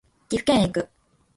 岐阜県へ行く